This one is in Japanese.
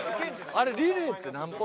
あれリレーってなんぼ？